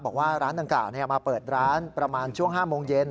บอกว่าร้านต่างเราปล่อยปิดร้านประมาณช่วง๕โมงเย็น